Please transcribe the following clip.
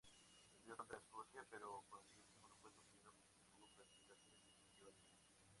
Perdió contra Escocia pero, con el segundo puesto obtenido, pudo clasificarse definitivamente.